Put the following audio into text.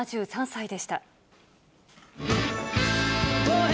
７３歳でした。